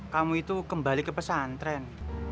kamu itu kembali ke pesantren